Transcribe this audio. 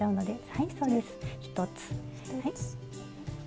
はいそうです。１つ。